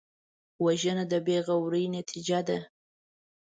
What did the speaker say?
وژنه د بېغورۍ نتیجه ده